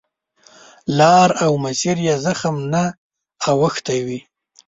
لار او مسیر یې زخم نه اوښتی وي.